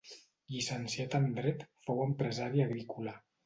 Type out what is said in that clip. Llicenciat en Dret, fou empresari agrícola.